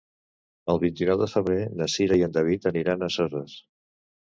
El vint-i-nou de febrer na Cira i en David aniran a Soses.